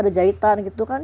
ada jahitan gitu kan